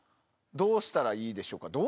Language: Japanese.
どうしたらいいでしょうか？